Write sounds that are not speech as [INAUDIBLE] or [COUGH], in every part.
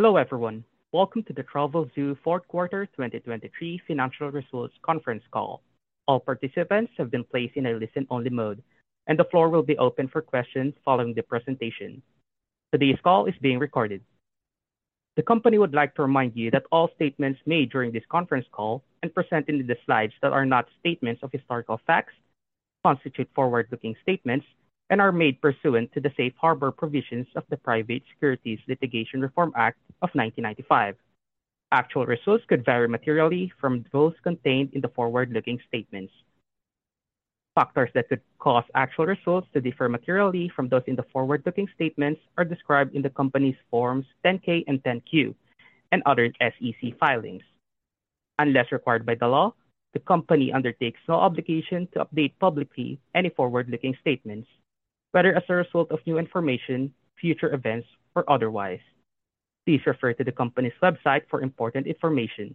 Hello, everyone. Welcome to the Travelzoo Fourth Quarter 2023 Financial Results Conference Call. All participants have been placed in a listen-only mode, and the floor will be open for questions following the presentation. Today's call is being recorded. The company would like to remind you that all statements made during this conference call and presented in the slides that are not statements of historical facts constitute forward-looking statements and are made pursuant to the Safe Harbor Provisions of the Private Securities Litigation Reform Act of 1995. Actual results could vary materially from those contained in the forward-looking statements. Factors that could cause actual results to differ materially from those in the forward-looking statements are described in the company's Forms 10-K and 10-Q and other SEC filings. Unless required by the law, the company undertakes no obligation to update publicly any forward-looking statements, whether as a result of new information, future events, or otherwise. Please refer to the company's website for important information,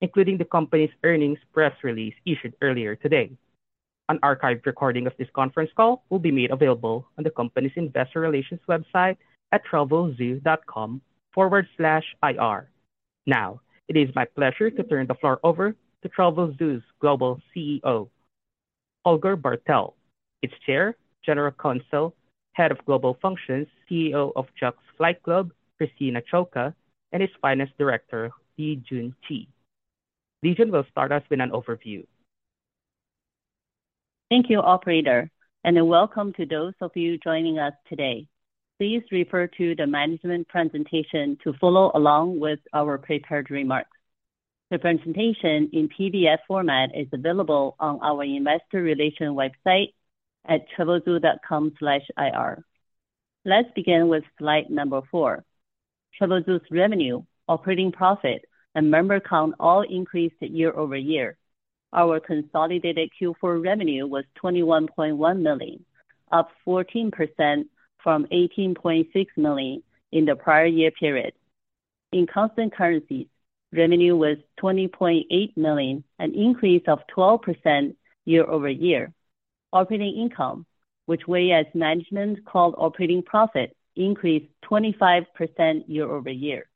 including the company's earnings press release issued earlier today. An archived recording of this conference call will be made available on the company's investor relations website at travelzoo.com/ir. Now, it is my pleasure to turn the floor over to Travelzoo's Global CEO, Holger Bartel, its Chair, General Counsel, Head of Global Functions, CEO of Jack's Flight Club, Christina Ciocca, and its Finance Director, Lijun Qi. Lijun will start us with an overview. Thank you, operator, and welcome to those of you joining us today. Please refer to the management presentation to follow along with our prepared remarks. The presentation in PDF format is available on our investor relations website at travelzoo.com/ir. Let's begin with slide number four. Travelzoo's revenue, operating profit, and member count all increased year-over-year. Our consolidated Q4 revenue was $21.1 million, up 14% from $18.6 million in the prior year period. In constant currencies, revenue was $20.8 million, an increase of 12% year-over-year. Operating income, which we as management called operating profit, increased 25% year-over-year.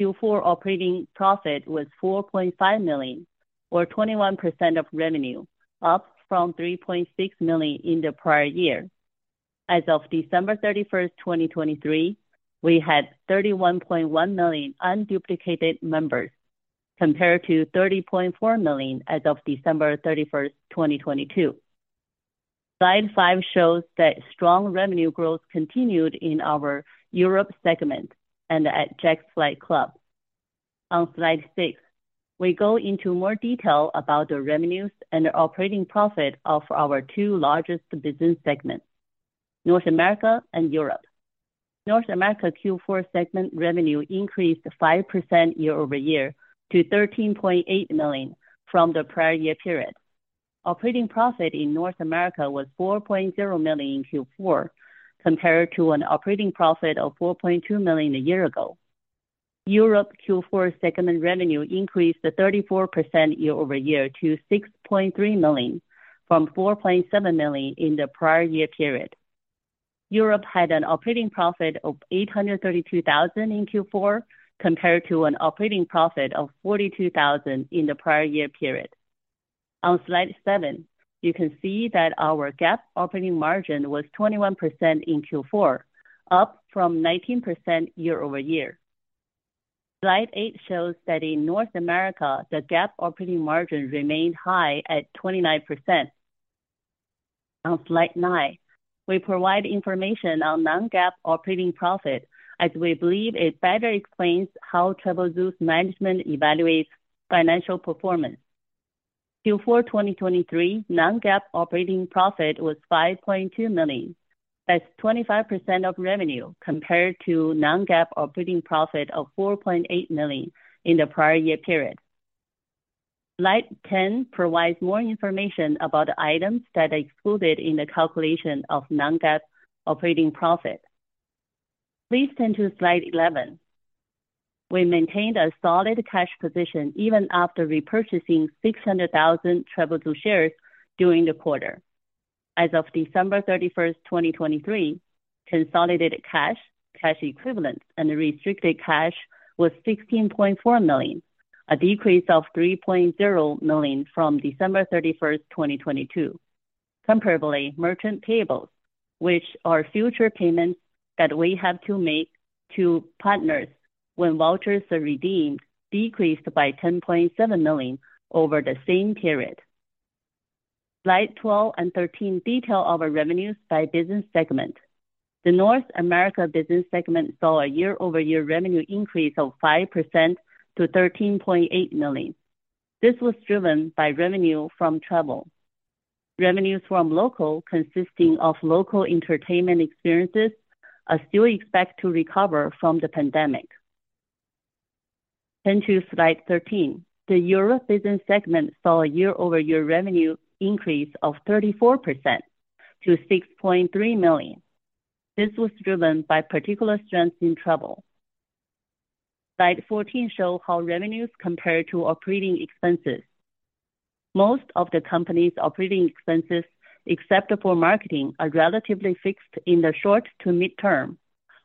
Q4 operating profit was $4.5 million or 21% of revenue, up from $3.6 million in the prior year. As of December 31, 2023, we had 31.1 million unduplicated members, compared to 30.4 million as of December 31, 2022. Slide five shows that strong revenue growth continued in our Europe segment and at Jack's Flight Club. On slide six, we go into more detail about the revenues and the operating profit of our two largest business segments, North America and Europe. North America Q4 segment revenue increased 5% year-over-year to $13.8 million from the prior year period. Operating profit in North America was $4.0 million in Q4, compared to an operating profit of $4.2 million a year ago. Europe Q4 segment revenue increased 34% year-over-year to $6.3 million from $4.7 million in the prior year period. Europe had an operating profit of $832 thousand in Q4, compared to an operating profit of $42 thousand in the prior year period. On slide seven, you can see that our GAAP operating margin was 21% in Q4, up from 19% year-over-year. Slide eight shows that in North America, the GAAP operating margin remained high at 29%. On slide nine, we provide information on non-GAAP operating profit, as we believe it better explains how Travelzoo's management evaluates financial performance. Q4 2023 non-GAAP operating profit was $5.2 million. That's 25% of revenue compared to non-GAAP operating profit of $4.8 million in the prior year period. Slide 10 provides more information about the items that are excluded in the calculation of non-GAAP operating profit. Please turn to slide 11. We maintained a solid cash position even after repurchasing 600,000 Travelzoo shares during the quarter. As of December 31st, 2023, consolidated cash, cash equivalents, and restricted cash was $16.4 million, a decrease of $3.0 million from December 31st, 2022. Comparably, merchant payables, which are future payments that we have to make to partners when vouchers are redeemed, decreased by $10.7 million over the same period. Slide 12 and 13 detail our revenues by business segment. The North America business segment saw a year-over-year revenue increase of 5% to $13.8 million. This was driven by revenue from travel. Revenues from local, consisting of local entertainment experiences, are still expected to recover from the pandemic. Turn to slide 13. The Europe business segment saw a year-over-year revenue increase of 34% to $6.3 million. This was driven by particular strength in travel. Slide 14 show how revenues compare to operating expenses. Most of the company's operating expenses, except for marketing, are relatively fixed in the short to mid-term.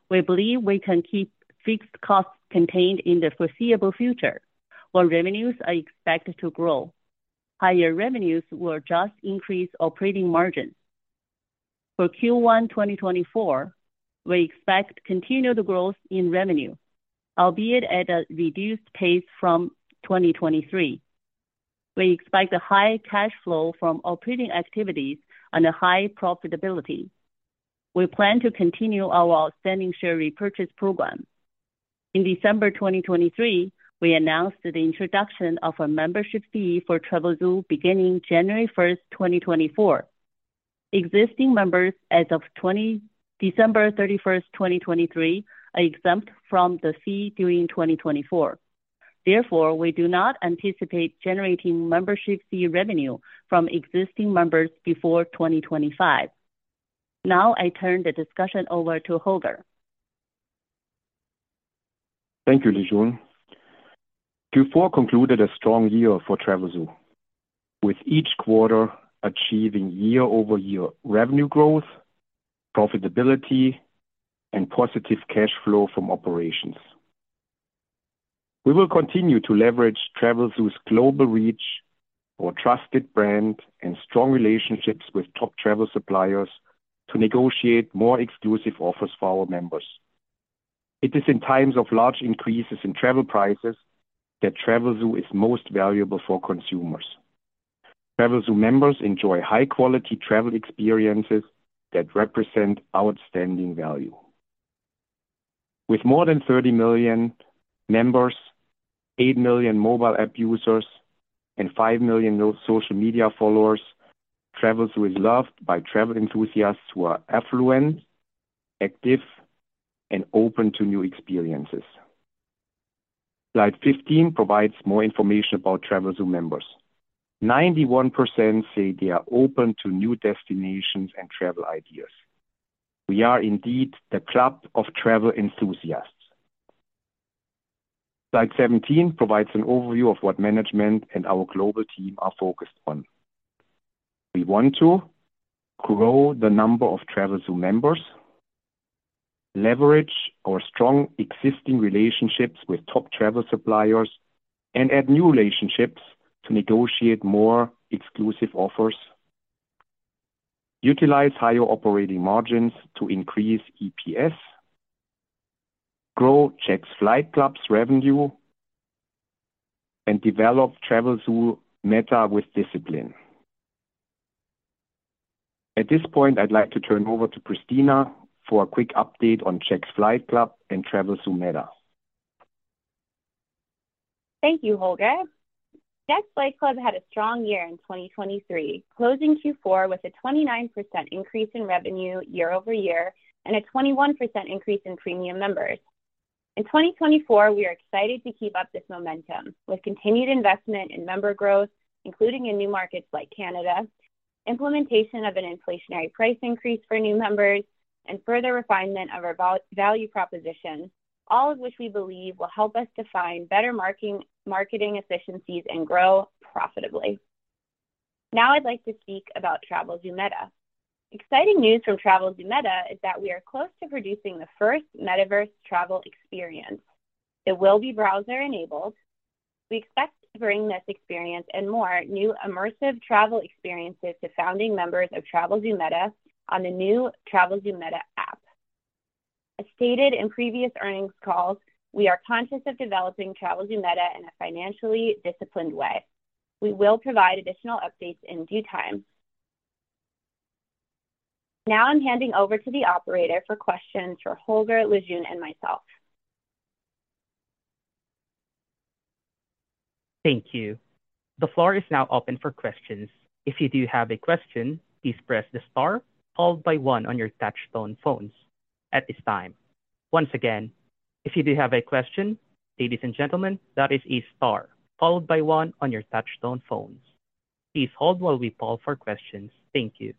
We believe we can keep fixed costs contained in the foreseeable future, while revenues are expected to grow. Higher revenues will just increase operating margins. For Q1 2024, we expect continued growth in revenue, albeit at a reduced pace from 2023. We expect a high cash flow from operating activities and a high profitability. We plan to continue our outstanding share repurchase program. In December 2023, we announced the introduction of a membership fee for Travelzoo beginning January 1st, 2024. Existing members as of December 31st, 2023, are exempt from the fee during 2024. Therefore, we do not anticipate generating membership fee revenue from existing members before 2025. Now I turn the discussion over to Holger. Thank you, Lijun. Q4 concluded a strong year for Travelzoo, with each quarter achieving year-over-year revenue growth, profitability, and positive cash flow from operations. We will continue to leverage Travelzoo's global reach, our trusted brand, and strong relationships with top travel suppliers to negotiate more exclusive offers for our members. It is in times of large increases in travel prices that Travelzoo is most valuable for consumers. Travelzoo members enjoy high-quality travel experiences that represent outstanding value. With more than 30 million members, 8 million mobile app users, and 5 million social media followers, Travelzoo is loved by travel enthusiasts who are affluent, active, and open to new experiences. Slide 15 provides more information about Travelzoo members. 91% say they are open to new destinations and travel ideas. We are indeed the club of travel enthusiasts. Slide 17 provides an overview of what management and our global team are focused on. We want to grow the number of Travelzoo members, leverage our strong existing relationships with top travel suppliers, and add new relationships to negotiate more exclusive offers, utilize higher operating margins to increase EPS, grow Jack's Flight Club's revenue, and develop Travelzoo META with discipline. At this point, I'd like to turn over to Christina for a quick update on Jack's Flight Club and Travelzoo META. Thank you, Holger. Jack's Flight Club had a strong year in 2023, closing Q4 with a 29% increase in revenue year-over-year and a 21% increase in premium members. In 2024, we are excited to keep up this momentum with continued investment in member growth, including in new markets like Canada, implementation of an inflationary price increase for new members, and further refinement of our value proposition, all of which we believe will help us to find better marketing efficiencies and grow profitably. Now I'd like to speak about Travelzoo META. Exciting news from Travelzoo META is that we are close to producing the first metaverse travel experience. It will be browser-enabled. We expect to bring this experience and more new immersive travel experiences to founding members of Travelzoo META on the new Travelzoo META app. As stated in previous earnings calls, we are conscious of developing Travelzoo META in a financially disciplined way. We will provide additional updates in due time. Now I'm handing over to the operator for questions for Holger, Lijun, and myself. Thank you. The floor is now open for questions. If you do have a question, please press the star followed by one on your touch tone phones at this time. Once again, if you do have a question, ladies and gentlemen, that is a star followed by one on your touch tone phones. Please hold while we call for questions. Thank you.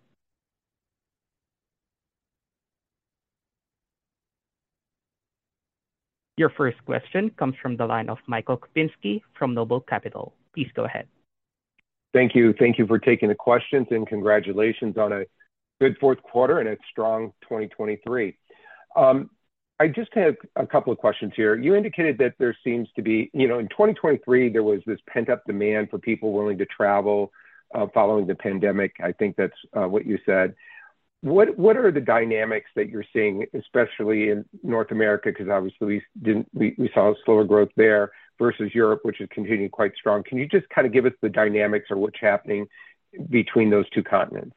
Your first question comes from the line of Michael Kupinski from Noble Capital. Please go ahead. Thank you. Thank you for taking the questions, and congratulations on a good fourth quarter and a strong 2023. I just have a couple of questions here. You indicated that there seems to be... You know, in 2023, there was this pent-up demand for people willing to travel following the pandemic. I think that's what you said. What are the dynamics that you're seeing, especially in North America? Because obviously we didn't—we saw slower growth there versus Europe, which is continuing quite strong. Can you just kind of give us the dynamics of what's happening between those two continents?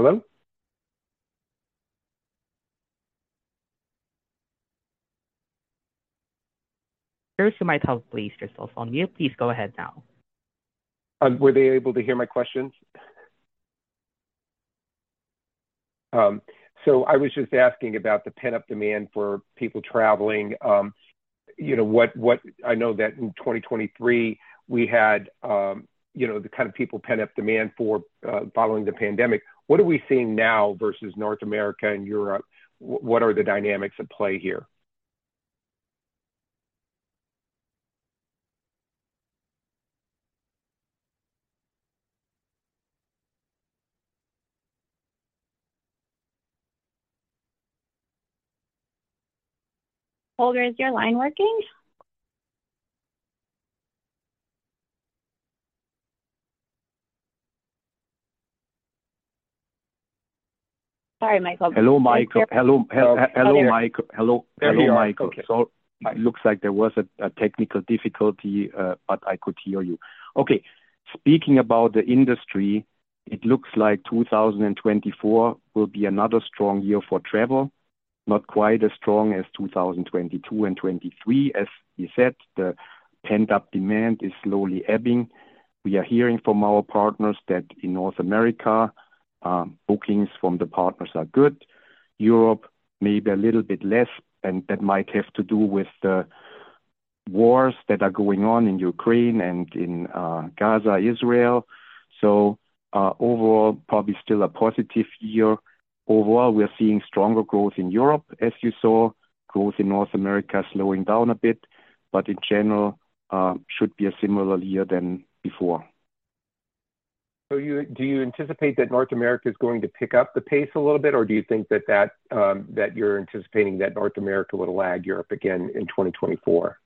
[AUDIO DISTORTION] Sir, you might have yourself on mute. Please go ahead now. Were they able to hear my questions? So I was just asking about the pent-up demand for people traveling. You know, I know that in 2023, we had, you know, the kind of people pent-up demand for following the pandemic. What are we seeing now versus North America and Europe? What are the dynamics at play here? Holger, is your line working? Sorry, Michael. Hello, Michael. Hello, hello, Michael. Hello- There we are. Okay. Hello, Michael. So it looks like there was a technical difficulty, but I could hear you. Okay. Speaking about the industry, it looks like 2024 will be another strong year for travel. Not quite as strong as 2022 and 2023. As you said, the pent-up demand is slowly ebbing. We are hearing from our partners that in North America, bookings from the partners are good. Europe, maybe a little bit less, and that might have to do with the wars that are going on in Ukraine and in, Gaza, Israel. So, overall, probably still a positive year. Overall, we're seeing stronger growth in Europe, as you saw. Growth in North America slowing down a bit, but in general, should be a similar year than before. So, do you anticipate that North America is going to pick up the pace a little bit? Or do you think that you're anticipating that North America will lag Europe again in 2024?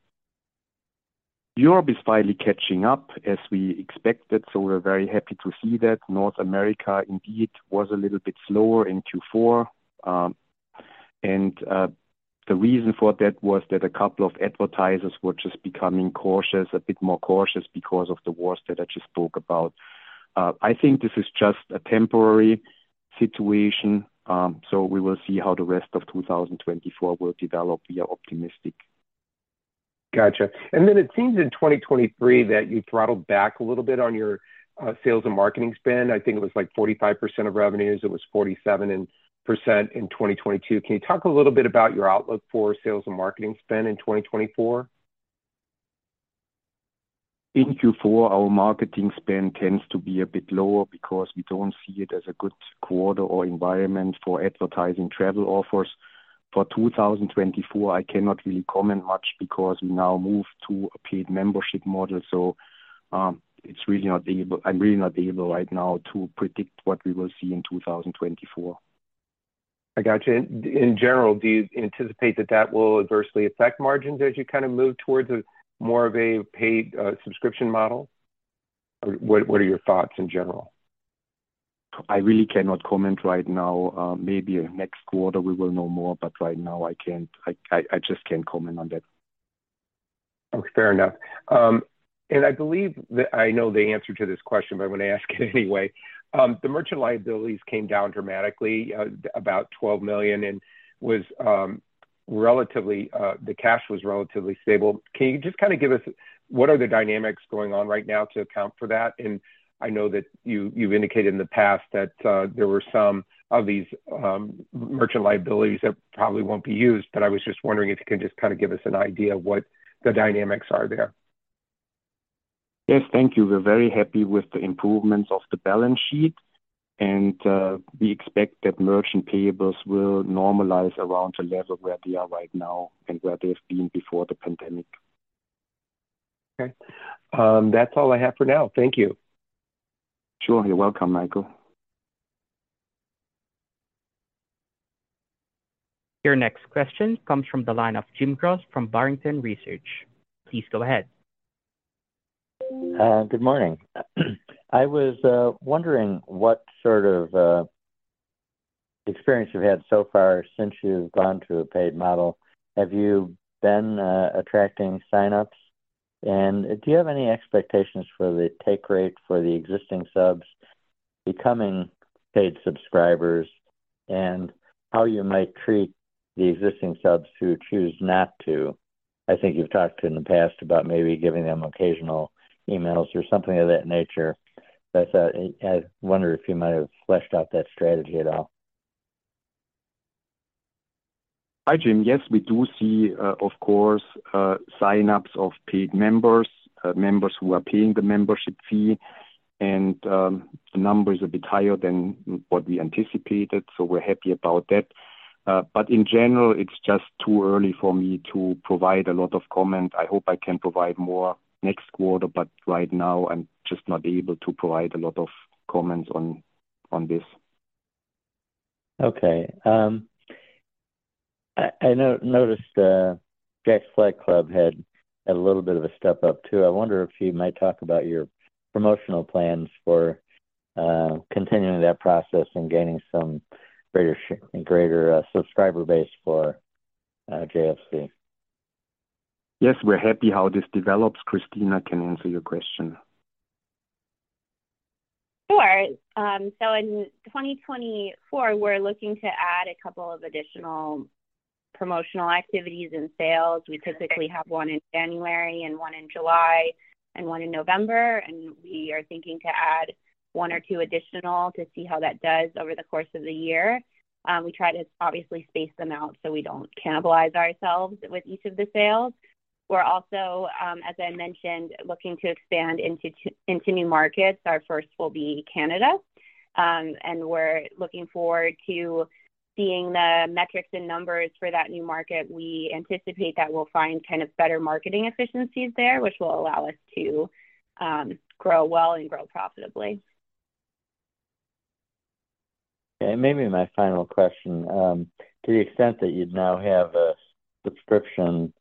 Europe is finally catching up, as we expected, so we're very happy to see that. North America, indeed, was a little bit slower in Q4. The reason for that was that a couple of advertisers were just becoming cautious, a bit more cautious because of the wars that I just spoke about. I think this is just a temporary situation, so we will see how the rest of 2024 will develop. We are optimistic. Gotcha. And then it seems in 2023 that you throttled back a little bit on your sales and marketing spend. I think it was like 45% of revenues. It was 47% in 2022. Can you talk a little bit about your outlook for sales and marketing spend in 2024? In Q4, our marketing spend tends to be a bit lower because we don't see it as a good quarter or environment for advertising travel offers. For 2024, I cannot really comment much because we now move to a paid membership model, so, I'm really not able right now to predict what we will see in 2024. I got you. In general, do you anticipate that will adversely affect margins as you kind of move towards a more of a paid subscription model? What are your thoughts in general? I really cannot comment right now. Maybe next quarter we will know more, but right now I can't, just can't comment on that. Okay, fair enough. I believe that I know the answer to this question, but I'm gonna ask it anyway. The merchant liabilities came down dramatically, about $12 million, and the cash was relatively stable. Can you just kind of give us what are the dynamics going on right now to account for that? And I know that you, you've indicated in the past that there were some of these merchant liabilities that probably won't be used, but I was just wondering if you can just kind of give us an idea of what the dynamics are there. Yes, thank you. We're very happy with the improvements of the balance sheet, and we expect that Merchant Payables will normalize around the level where we are right now and where they've been before the pandemic. Okay. That's all I have for now. Thank you. Sure. You're welcome, Michael. Your next question comes from the line of Jim Goss from Barrington Research. Please go ahead. Good morning. I was wondering what sort of experience you've had so far since you've gone to a paid model. Have you been attracting sign-ups? And do you have any expectations for the take rate for the existing subs becoming paid subscribers? And how you might treat the existing subs who choose not to. I think you've talked in the past about maybe giving them occasional emails or something of that nature. But I wonder if you might have fleshed out that strategy at all. Hi, Jim. Yes, we do see, of course, sign-ups of paid members, members who are paying the membership fee, and, the number is a bit higher than what we anticipated, so we're happy about that. But in general, it's just too early for me to provide a lot of comment. I hope I can provide more next quarter, but right now I'm just not able to provide a lot of comments on, on this. Okay. I noticed Jack's Flight Club had a little bit of a step up, too. I wonder if you might talk about your promotional plans for continuing that process and gaining some greater subscriber base for JFC. Yes, we're happy how this develops. Christina can answer your question. Sure. So in 2024, we're looking to add a couple of additional- promotional activities and sales. We typically have one in January and one in July and one in November, and we are thinking to add one or two additional to see how that does over the course of the year. We try to obviously space them out so we don't cannibalize ourselves with each of the sales. We're also, as I mentioned, looking to expand into new markets. Our first will be Canada. We're looking forward to seeing the metrics and numbers for that new market. We anticipate that we'll find kind of better marketing efficiencies there, which will allow us to grow well and grow profitably. Maybe my final question, to the extent that you now have a subscription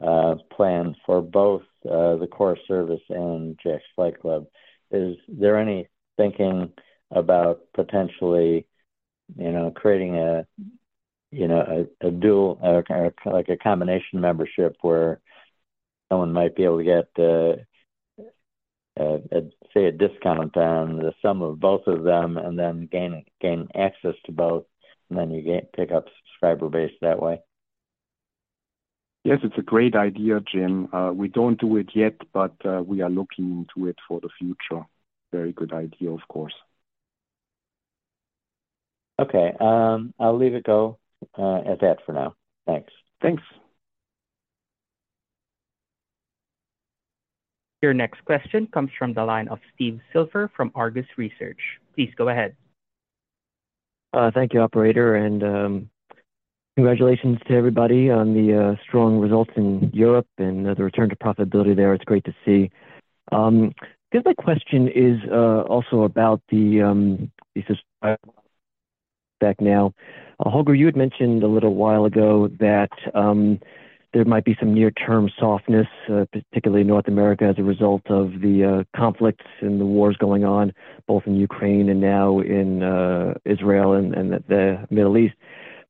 plan for both, the core service and Jack's Flight Club, is there any thinking about potentially, you know, creating a, you know, a dual, kind of like a combination membership where someone might be able to get, say, a discount on the sum of both of them and then gain access to both, and then you get pick up subscriber base that way? Yes, it's a great idea, Jim. We don't do it yet, but, we are looking into it for the future. Very good idea, of course. Okay, I'll leave it go at that for now. Thanks. Thanks. Your next question comes from the line of Steve Silver from Argus Research. Please go ahead. Thank you, operator, and congratulations to everybody on the strong results in Europe and the return to profitability there. It's great to see. I guess my question is also about the subscriber base now. Holger, you had mentioned a little while ago that there might be some near-term softness, particularly in North America, as a result of the conflicts and the wars going on, both in Ukraine and now in Israel and the Middle East.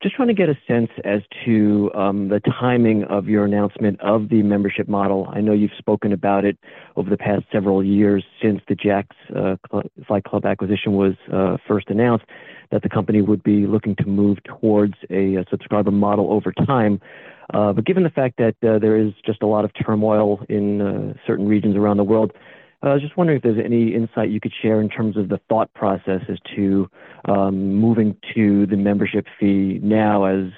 Just want to get a sense as to the timing of your announcement of the membership model. I know you've spoken about it over the past several years, since the Jack's Flight Club acquisition was first announced, that the company would be looking to move towards a subscriber model over time. But given the fact that there is just a lot of turmoil in certain regions around the world, I was just wondering if there's any insight you could share in terms of the thought process as to moving to the membership fee now, as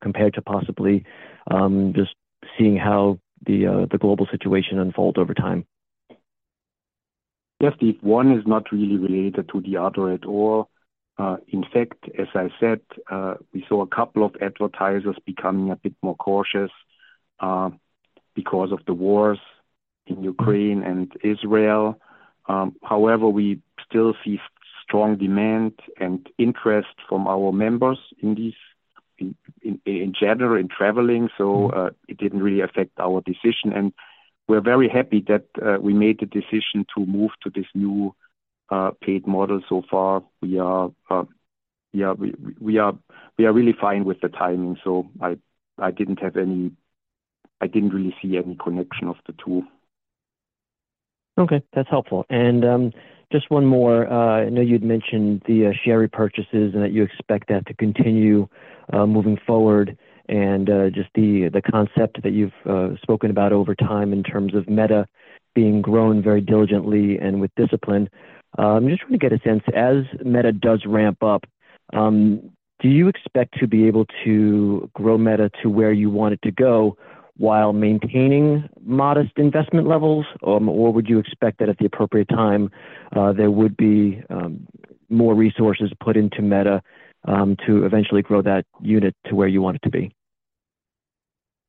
compared to possibly just seeing how the global situation unfolds over time? Yes, Steve. One is not really related to the other at all. In fact, as I said, we saw a couple of advertisers becoming a bit more cautious because of the wars in Ukraine and Israel. However, we still see strong demand and interest from our members in these, in general, in traveling. So, it didn't really affect our decision, and we're very happy that we made the decision to move to this new paid model. So far, we are really fine with the timing, so I didn't have any... I didn't really see any connection of the two. Okay, that's helpful. And, just one more. I know you'd mentioned the share repurchases and that you expect that to continue, moving forward and, just the concept that you've spoken about over time in terms of Meta being grown very diligently and with discipline. I'm just trying to get a sense, as Meta does ramp up, do you expect to be able to grow Meta to where you want it to go while maintaining modest investment levels? Or would you expect that at the appropriate time, there would be more resources put into Meta, to eventually grow that unit to where you want it to be?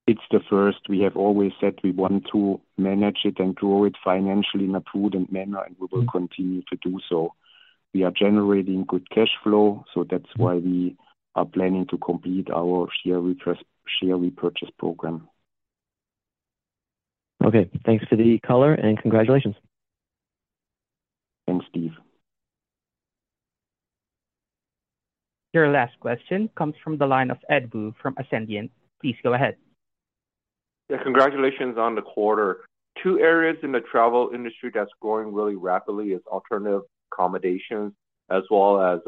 It's the first. We have always said we want to manage it and grow it financially in a prudent manner, and we will continue to do so. We are generating good cash flow, so that's why we are planning to complete our share repurchase, share repurchase program. Okay, thanks for the color, and congratulations. Thanks, Steve. Your last question comes from the line of Ed Wu from Ascendiant. Please go ahead. Yeah, congratulations on the quarter. Two areas in the travel industry that's growing really rapidly is alternative accommodations as well as,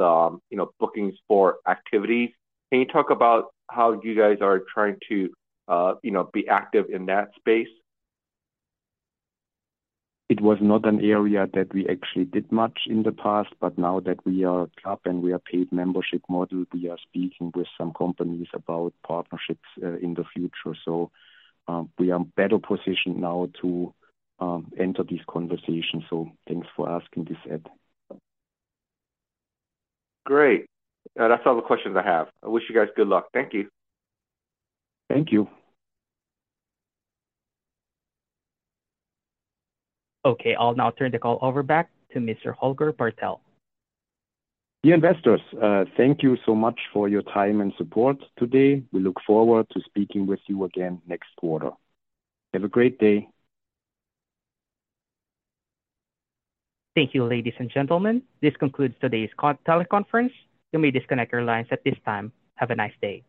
you know, bookings for activities. Can you talk about how you guys are trying to, you know, be active in that space? It was not an area that we actually did much in the past, but now that we are up and we are paid membership model, we are speaking with some companies about partnerships, in the future. So, we are better positioned now to enter these conversations, so thanks for asking this, Ed. Great. That's all the questions I have. I wish you guys good luck. Thank you. Thank you. Okay, I'll now turn the call over back to Mr. Holger Bartel. Dear investors, thank you so much for your time and support today. We look forward to speaking with you again next quarter. Have a great day. Thank you, ladies and gentlemen. This concludes today's teleconference. You may disconnect your lines at this time. Have a nice day.